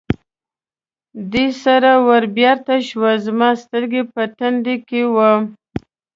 دې سره ور بېرته شو، زما سترګې په تندي کې وې.